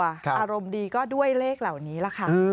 อารมณ์ดีก็ด้วยเลขเหล่านี้ล่ะค่ะ